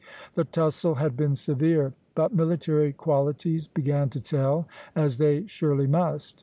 The tussle had been severe; but military qualities began to tell, as they surely must.